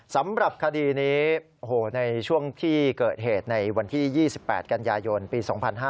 สำหรับคดีนี้ในช่วงที่เกิดเหตุในวันที่๒๘กันยายนปี๒๕๕๙